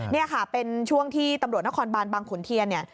นี่ค่ะเป็นช่วงที่ตำรวจนครบานบางขุนเทียนเนี่ย